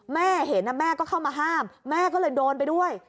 แม่เห็นแม่ก็เข้ามาห้ามแม่ก็เลยโดนไปด้วย